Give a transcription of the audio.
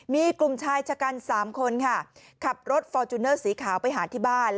มีกลุ่มชายชะกัน๓คนค่ะขับรถฟอร์จูเนอร์สีขาวไปหาที่บ้าน